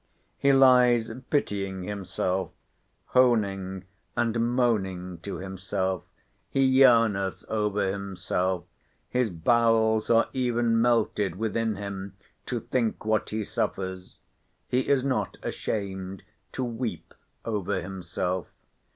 He lies pitying himself, honing and moaning to himself; he yearneth over himself; his bowels are even melted within him, to think what he suffers; he is not ashamed to weep over himself.